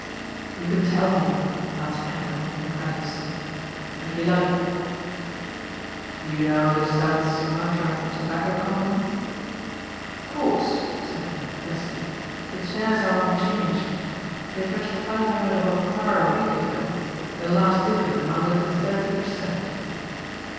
" You can tell me," answered Hendrik incredulously, " if you like." " You know the South Sumatra Tobacco Company ?"*' Of course," said Hendrik testily. " Its shares are on 'Change. They touched five hundred above par a week ago. Their last dividend amounted to thirty per cent."